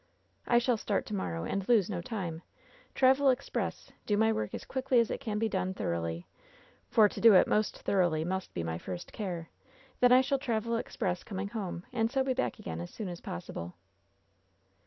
"I shall start to morrow, and lose no time! travel express I do my work as quickly as it can be done thor oughly — for to do it most thoroughly must be my first care — ^then I shall travel express coming home, and so be back again as soon as possible."